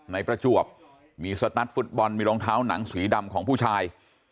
ประจวบมีสตาร์ทฟุตบอลมีรองเท้าหนังสีดำของผู้ชาย